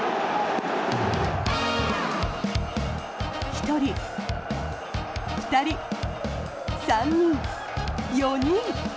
１人、２人、３人、４人。